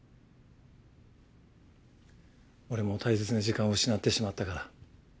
俺も大切な時間を失ってしまったから。